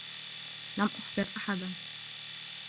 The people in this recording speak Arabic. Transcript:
لم أخبر أحدا.